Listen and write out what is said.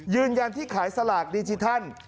ยืนยันที่ขายสลากดิจิทัล